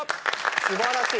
素晴らしい！